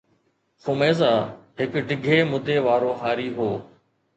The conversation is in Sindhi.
خميزه هڪ ڊگهي مدي وارو هاري هو